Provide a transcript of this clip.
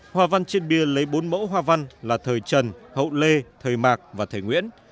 hoa văn trên bia lấy bốn mẫu hoa văn là thời trần hậu lê thời mạc và thầy nguyễn